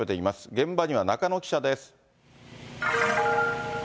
現場には中野記者です。